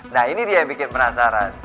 nah ini dia yang bikin penasaran